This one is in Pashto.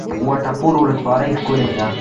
وټه پور ولسوالۍ ښکلې ده؟